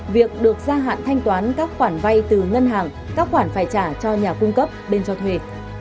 việc được gia hạn thanh toán các khoản vay từ ngân hàng các khoản phải trả cho nhà cung cấp bên cho thuê